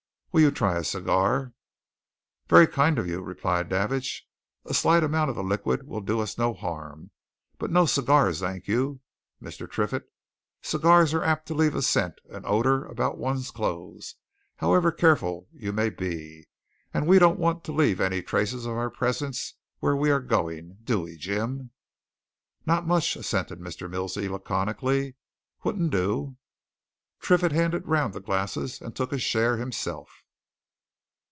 Will you try a cigar?" "Very kind of you," replied Davidge. "A slight amount of the liquid'll do us no harm, but no cigars, thank you, Mr. Triffitt. Cigars are apt to leave a scent, an odour, about one's clothes, however careful you may be, and we don't want to leave any traces of our presence where we're going, do we, Jim?" "Not much," assented Mr. Milsey, laconically. "Wouldn't do." Triffitt handed round the glasses and took a share himself.